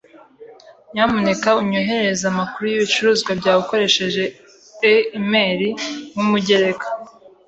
Nyamuneka unyoherereza amakuru y'ibicuruzwa byawe ukoresheje e-imeri nk'umugereka?